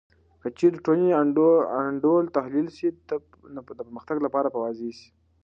که چیرې د ټولنې انډول تحلیل سي، نو د پرمختګ لاره به واضح سي.